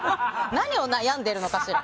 何を悩んでいるのかしら。